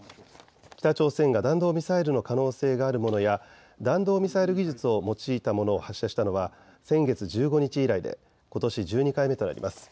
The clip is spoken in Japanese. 北朝鮮が弾道ミサイルの可能性があるものや弾道ミサイル技術を用いたものを発射したのは先月１５日以来でことし１２回目となります。